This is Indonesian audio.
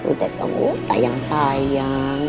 udah tau tayang tayang